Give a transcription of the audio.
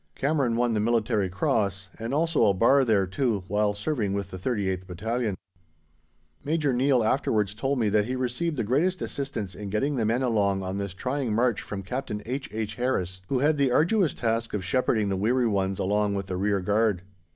Cameron won the Military Cross, and also a bar thereto, while serving with the 38th Battalion. Major Neill afterwards told me that he received the greatest assistance in getting the men along on this trying march from Captain H.H. Harris, who had the arduous task of shepherding the weary ones along with the rearguard.